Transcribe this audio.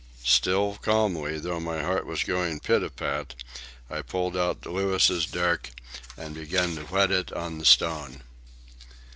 Still calmly, though my heart was going pitapat, I pulled out Louis's dirk and began to whet it on the stone.